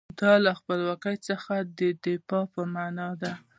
دا له خپلواکۍ څخه د دفاع په معنی دی.